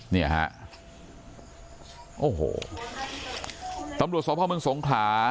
เนี่ยฮะโอ้โหตำรวจสพเมืองสงขลา